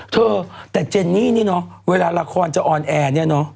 เธอแต่เจนนี่นี่เนอะเวลาละครจะออนแอร์เนี่ยเนอะ